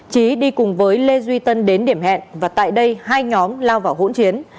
trí đi cùng với lê duy tân đến điểm hẹn và tại đây hai nhóm lao vào hỗn chiến